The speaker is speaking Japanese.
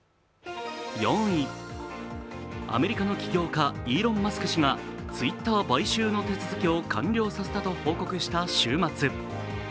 アメリカの起業家、イーロン・マスク氏がＴｗｉｔｔｅｒ買収の手続きを完了させたと報告した週末。